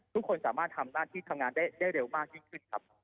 ทุกคนสามารถทำหน้าที่ทำงานได้เร็วมากยิ่งขึ้นครับ